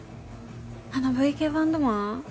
あのＶ系バンドマン？